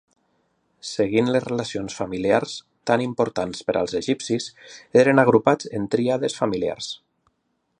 Seguint les relacions familiars, tan importants per als egipcis, eren agrupats en tríades familiars.